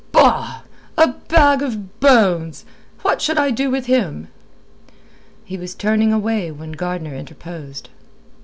"Bah! A bag of bones. What should I do with him?" He was turning away when Gardner interposed.